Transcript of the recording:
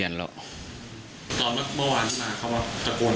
พุ่งเข้ามาแล้วกับแม่แค่สองคน